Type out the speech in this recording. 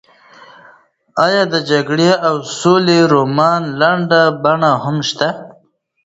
ایا د جګړې او سولې رومان لنډه بڼه هم شته؟